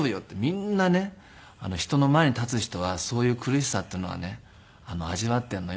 「みんなね人の前に立つ人はそういう苦しさっていうのはね味わっているのよ」